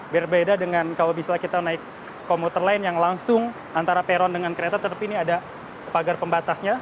berbeda dengan kalau misalnya kita naik komuter lain yang langsung antara peron dengan kereta tetapi ini ada pagar pembatasnya